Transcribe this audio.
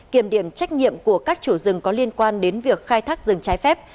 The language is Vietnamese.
kiểm điểm trách nhiệm của các chủ rừng có liên quan đến việc khai thác rừng trái phép